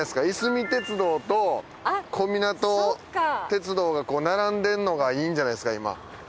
いすみ鉄道と小湊鐡道が並んでんのがいいんじゃないですか今。